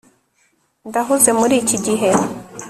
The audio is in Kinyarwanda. ndahuze muri iki gihe